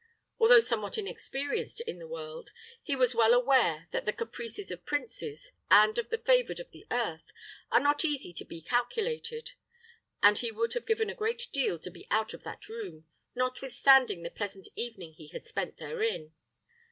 Although somewhat inexperienced in the world, he was well aware that the caprices of princes, and of the favored of the earth, are not easy to be calculated; and he would have given a great deal to be out of that room, notwithstanding the pleasant evening he had spent therein.